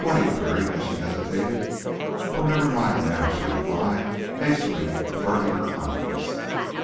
he queried, as she hesitated. "Oh, never mind now," she replied, hastily, averting her eyes.